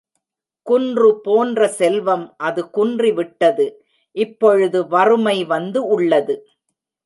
குன்று போன்ற செல்வம் அது குன்றி விட்டது இப்பொழுது வறுமை வந்து உள்ளது.